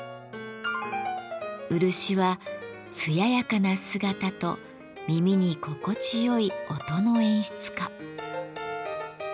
漆は艶やかな姿と耳に心地よい音の演出家。